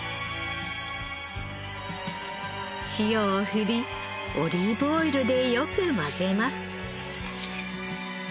塩を振りオリーブオイルでよく混ぜます。